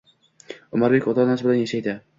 Umarbek ota-onasi bilan yashaydi